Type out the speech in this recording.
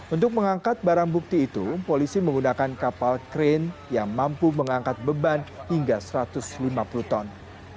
untuk mengangkat barang bukti itu polisi menggunakan kapal krain yang mampu mengangkat beban hingga satu ratus lima puluh ton